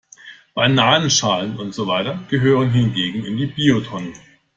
Bananenschalen und so weiter gehören hingegen in die Biotonne.